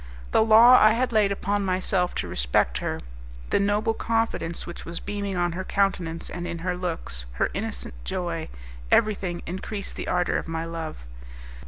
The law I had laid upon myself to respect her, the noble confidence which was beaming on her countenance and in her looks, her innocent joy everything increased the ardour of my love.